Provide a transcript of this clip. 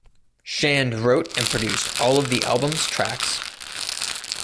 Shand wrote and produced all of the album's tracks.